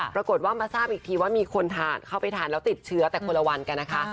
ปรากฏว่ามาทราบอีกทีว่ามีคนเข้าไปทานแล้วติดเชื้อแต่คนละวันกันนะคะ